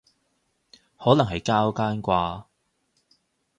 可能係交更啩